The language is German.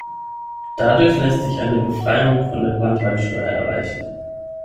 Dadurch lässt sich eine Befreiung von der Branntweinsteuer erreichen.